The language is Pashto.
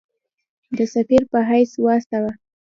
د سفیر په حیث واستاوه.